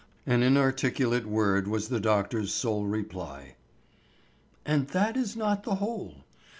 An inarticulate word was the doctor's sole reply. "And that is not the whole.